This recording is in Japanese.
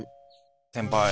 先輩